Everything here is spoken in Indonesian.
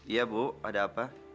iya bu ada apa